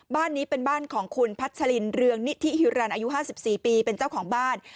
บ้านนี้เป็นบ้านของคุณพัชลินเรืองนิธิฮิรันอายุ๕๔ปีเป็นเจ้าของบ้าน